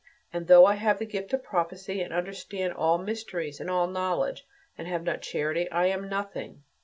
And though I have the gift of prophecy and understand all mysteries and all knowledge, and have not charity, I am nothing.